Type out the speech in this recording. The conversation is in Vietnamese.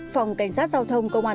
phòng cảnh sát giao thông công an tỉnh